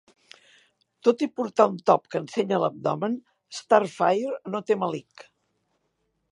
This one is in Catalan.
Tot i portar un top que ensenya l'abdomen, Starfire no té melic.